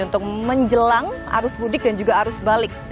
untuk menjelang arus mudik dan juga arus balik